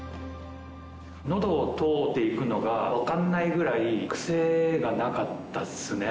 喉を通っていくのがわかんないぐらいクセがなかったっすね。